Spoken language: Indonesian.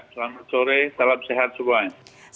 selamat sore salam sehat semuanya